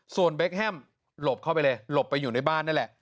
ส่วนเบคแฮมหลบเข้าไปเลยหลบไปอยู่ในบ้านนั่นแหละ